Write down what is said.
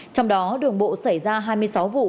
trong đó đường bộ xảy ra hai mươi sáu vụ